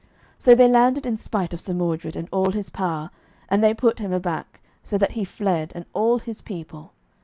So they landed in spite of Sir Mordred and all his power, and they put him aback, so that he fled and all his people.